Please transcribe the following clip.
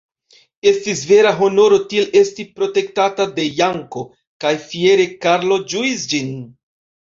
Estis vera honoro tiel esti protektata de Janko, kaj fiere Karlo ĝuis ĝin.